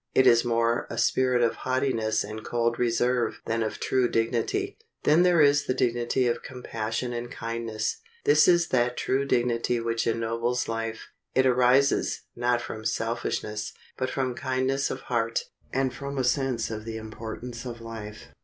It is more a spirit of haughtiness and cold reserve than of true dignity. Then there is the dignity of compassion and kindness. This is that true dignity which ennobles life. It arises, not from selfishness, but from kindness of heart, and from a sense of the importance of life.